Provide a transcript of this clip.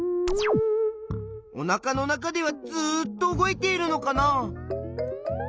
おなかの中ではずっと動いているのかな？